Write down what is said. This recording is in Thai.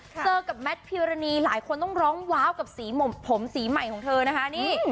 เจอกับแมทพิวรณีหลายคนต้องร้องว้าวกับสีผมสีใหม่ของเธอนะคะนี่